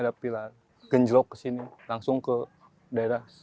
ada pilar genjlok ke sini langsung ke daerah